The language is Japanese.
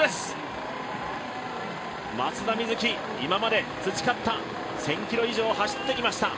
松田瑞生、今まで培った１０００ｋｍ以上走ってきました